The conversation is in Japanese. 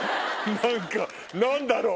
何か何だろう？